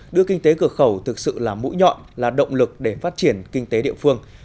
đưa kinh tế cửa khẩu thực sự là mũi nhọn là động lực để phát triển kinh tế địa phương